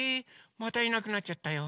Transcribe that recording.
⁉またいなくなっちゃったよ。